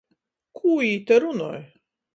Kū jī te runoj!